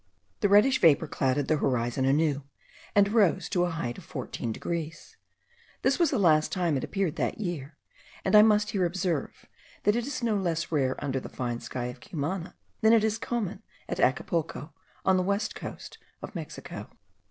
The reddish vapour clouded the horizon anew, and rose to the height of 14 degrees. This was the last time it appeared that year; and I must here observe, that it is no less rare under the fine sky of Cumana, than it is common at Acapulco, on the western coast of Mexico.